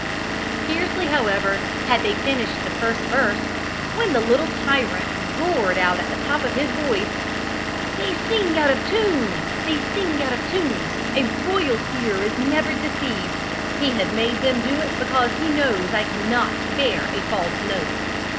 Scarcely, however, had they finished the first verse, when the little tyrant roared out at the top of his voice "They sing out of tune! they sing out of tune! A royal ear is never deceived! He has made them do it because he knows I cannot bear a false note.